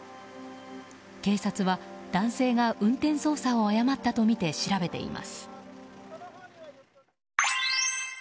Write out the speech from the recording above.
警察は、男性が運転操作を誤ったとみて調べています。